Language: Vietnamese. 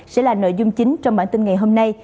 sẽ là nội dung chính trong bản tin ngày hôm nay